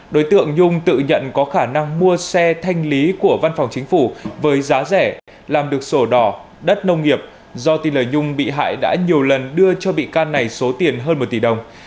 đối tượng nhung tự nhận có khả năng mua xe thanh lý của văn phòng chính phủ với giá rẻ làm được sổ đỏ đất nông nghiệp do tin lời nhung bị hại đã nhiều lần đưa cho bị can này số tiền hơn một tỷ đồng